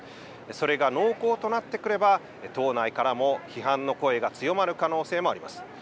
それが濃厚となってくれば、党内からも批判の声が強まる可能性もあります。